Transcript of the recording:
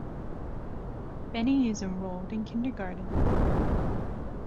Benny is enrolled in kindergarten.